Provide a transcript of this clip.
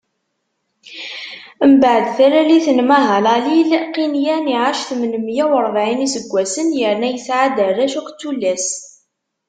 Mbeɛd talalit n Mahalalil, Qiynan iɛac tmen meyya u ṛebɛin n iseggasen, yerna yesɛa-d arrac akked tullas.